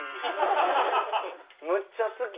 むっちゃ好き。